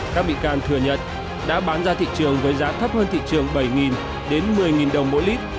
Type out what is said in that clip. các bị can thừa nhận đã bán ra thị trường với giá thấp hơn thị trường bảy đến một mươi đồng mỗi lít